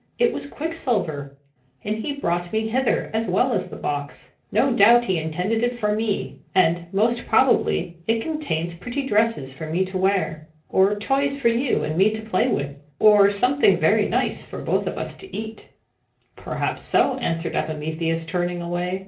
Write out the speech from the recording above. It was Quicksilver; and he brought me hither, as well as the box. No doubt he intended it for me; and, most probably, it contains pretty dresses for me to wear, or toys for you and me to play with, or something very nice for us both to eat!" "Perhaps so," answered Epimetheus, turning away.